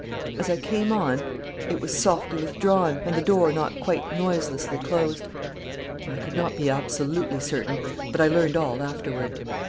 As I came on, it was softly withdrawn, and the door not quite noiselessly closed. I could not be absolutely certain, but I learned all afterward.